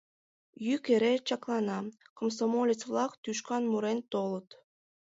Йӱк эре чаклана, комсомолец-влак тӱшкан мурен толыт: